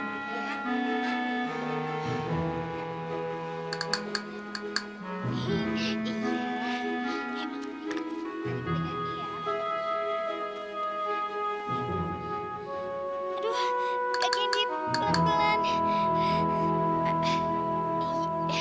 aduh kendi pelan pelan